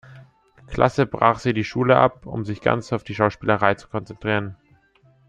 Klasse brach sie die Schule ab, um sich ganz auf die Schauspielerei zu konzentrieren.